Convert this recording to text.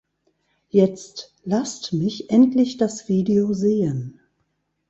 Jetzt lasst mich endlich das Video sehen.